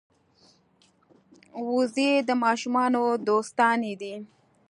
وزې د ماشومانو دوستانې دي